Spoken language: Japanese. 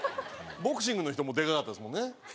ボクシングの人もでかかったですもんね。